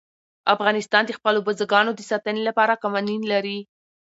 افغانستان د خپلو بزګانو د ساتنې لپاره قوانین لري.